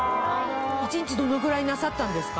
１日どのぐらいなさったんですか？